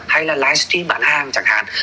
hay là livestream bán hàng chẳng hạn